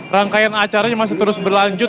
rangkaian acaranya masih terus berlanjut